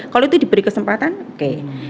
kalau itu diberi kesempatan oke